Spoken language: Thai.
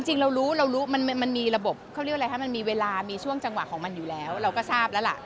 จริงเรารู้เรารู้มันมีระบบเขาเรียกอะไรคะมันมีเวลามีช่วงจังหวะของมันอยู่แล้วเราก็ทราบแล้วล่ะ